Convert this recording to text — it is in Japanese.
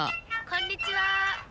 「こんにちは」